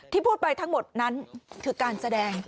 พูดไปทั้งหมดนั้นคือการแสดง